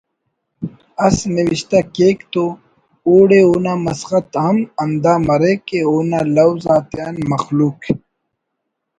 اس نوشتہ کیک تو اوڑے اونا مسخت ہم ہندا مریک کہ اونا لوز آتیان مخلوق